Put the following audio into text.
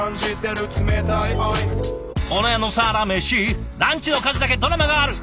ランチの数だけドラマがある。